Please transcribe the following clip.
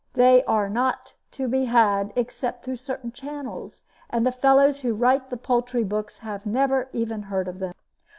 They are not to be had except through certain channels, and the fellows who write the poultry books have never even heard of them."